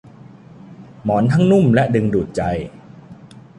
หมอนทั้งนุ่มและดึงดูดใจ